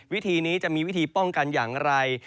วิธีนี้จะมีวิธีป้องกันอย่างไร